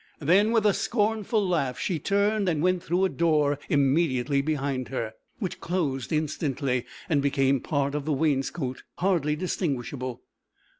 Then, with a scornful laugh, she turned and went through a door immediately behind her, which closed instantly, and became part of the wainscot, hardly distinguishable.